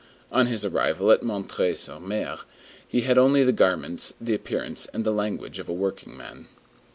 On his arrival at M. sur M. he had only the garments, the appearance, and the language of a workingman.